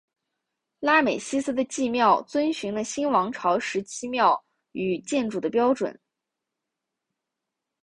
拉美西斯的祭庙遵循了新王朝时期庙与建筑的标准。